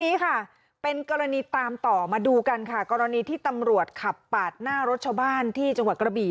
นี้ค่ะเป็นกรณีตามต่อมาดูกันค่ะกรณีที่ตำรวจขับปาดหน้ารถชาวบ้านที่จังหวัดกระบี่